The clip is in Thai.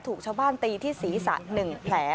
ถูกชาวบ้านตีที่ศีรษะ๑แผล